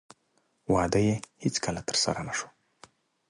واده یې هېڅکله ترسره نه شو.